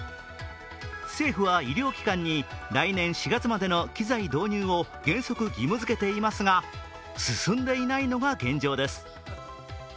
政府は医療機関に来年４月までの機材導入を原則義務付けていますが、進んでいないのが現状です。